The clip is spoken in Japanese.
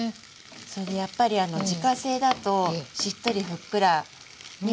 それでやっぱり自家製だとしっとりふっくらね